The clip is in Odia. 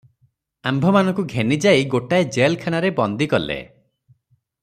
ଆମ୍ଭମାନଙ୍କୁ ଘେନିଯାଇ ଗୋଟାଏ ଜେଲଖାନାରେ ବନ୍ଦୀ କଲେ ।